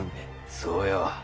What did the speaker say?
そうよ！